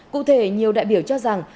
cụ thể nhiều đại biểu cho rằng